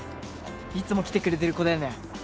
いつも来てくれてる子だよね？